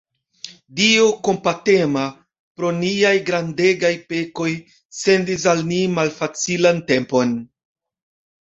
Dio kompatema, pro niaj grandegaj pekoj, sendis al ni malfacilan tempon.